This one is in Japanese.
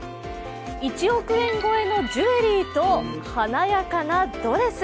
１億円超えのジュエリーと華やかなドレス。